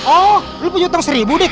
oh lu punya utang seribu dik